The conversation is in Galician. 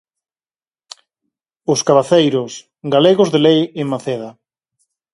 Os Cabaceiros, galegos de lei en Maceda.